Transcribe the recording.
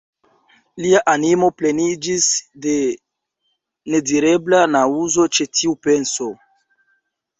Lia animo pleniĝis de nedirebla naŭzo ĉe tiu penso.